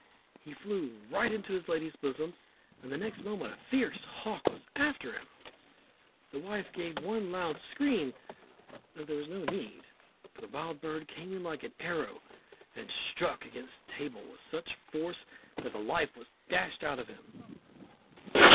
He flew right into his lady's bosom, and the next moment a fierce hawk was after him. The wife gave one loud scream, though there was no need, for the wild bird came in like an arrow, and struck against a table with such force that the life was dashed out of him.